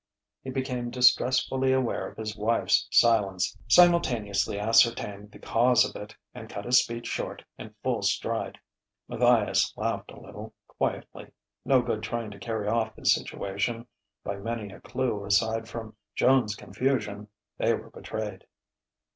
He became distressfully aware of his wife's silence, simultaneously ascertained the cause of it, and cut his speech short in full stride. Matthias laughed a little, quietly: no good trying to carry off this situation; by many a clue aside from Joan's confusion, they were betrayed.